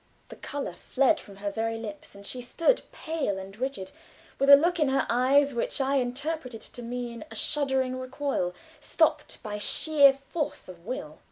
The color fled from her very lips and she stood pale and rigid with a look in her eyes which I interpreted to mean a shuddering recoil, stopped by sheer force of will.